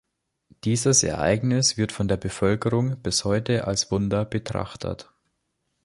Dieses Ereignis wird von der Bevölkerung bis heute als Wunder betrachtet.